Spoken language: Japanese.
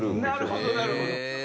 なるほどなるほど。